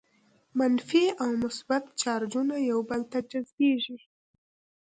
منفي او مثبت چارجونه یو بل ته جذبیږي.